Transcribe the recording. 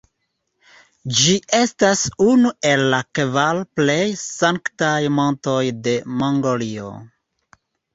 Ĝi estas unu el la kvar plej sanktaj montoj de Mongolio.